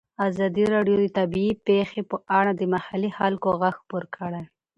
ازادي راډیو د طبیعي پېښې په اړه د محلي خلکو غږ خپور کړی.